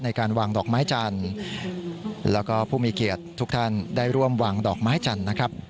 ที่จัดขึ้นออกสภาพการพาพนักศึกษุใจทั้งศูนย์หรือประเภทรักษ์ทั้งผู้ใหญ่